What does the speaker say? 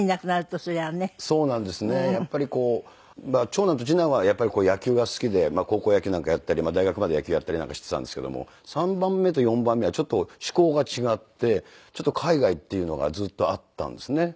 長男と次男はやっぱり野球が好きで高校野球なんかやったり大学まで野球やったりなんかしていたんですけども３番目と４番目はちょっと思考が違って海外っていうのがずっとあったんですね。